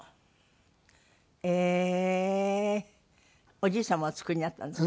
おじい様お作りになったんですか？